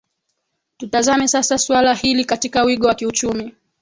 tutazame sasa suala hili katika wigo wa kiuchumi